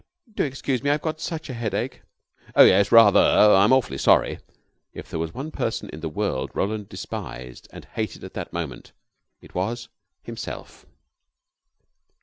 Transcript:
"Do excuse me. I've got such a headache." "Oh, yes, rather; I'm awfully sorry." If there was one person in the world Roland despised and hated at that moment, it was himself.